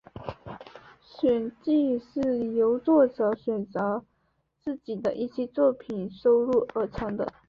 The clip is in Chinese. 选集是由作者选择自己的一些作品收录而成的。